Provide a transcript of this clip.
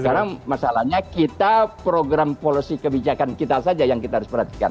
sekarang masalahnya kita program policy kebijakan kita saja yang kita harus perhatikan